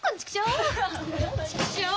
チクショー！